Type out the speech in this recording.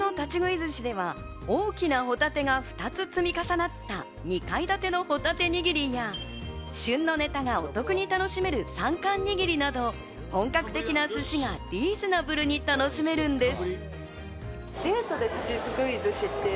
寿司では大きなホタテが２つ積み重なった２階建てのほたて握りや、旬のネタがお得に楽しめる３貫握りなど本格的な寿司がリーズナブルに楽しめるんです。